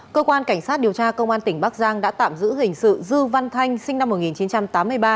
cơ quan cảnh sát điều tra công an tỉnh bắc giang đã tạm giữ hình sự dư văn thanh sinh năm một nghìn chín trăm tám mươi ba